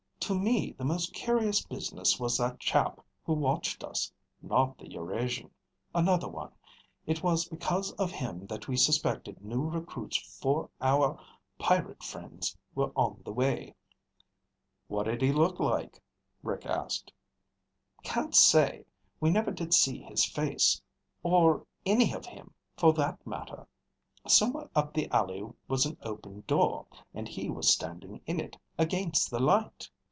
To me, the most curious business was that chap who watched us. Not the Eurasian. Another one. It was because of him that we suspected new recruits for our pirate friends were on the way." "What did he look like?" Rick asked. "Can't say. We never did see his face. Or any of him, for that matter. Somewhere up the alley was an open door, and he was standing in it, against the light.